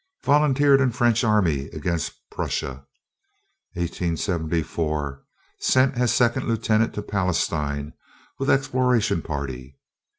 Volunteered in French army against Prussia. 1874. Sent as second lieutenant to Palestine, with exploration party.